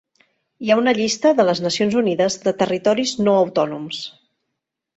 Hi ha una llista de les Nacions Unides de territoris no autònoms.